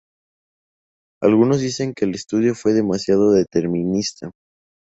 Algunos dicen que el estudio fue demasiado determinista.